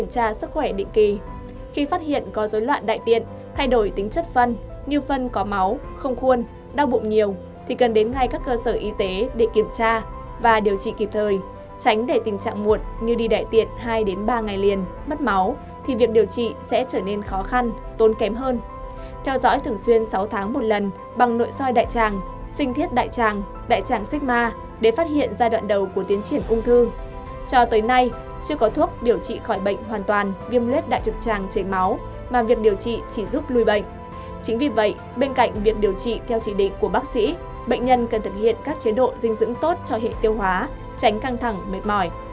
chính vì vậy bên cạnh việc điều trị theo chỉ định của bác sĩ bệnh nhân cần thực hiện các chế độ dinh dưỡng tốt cho hệ tiêu hóa tránh căng thẳng mệt mỏi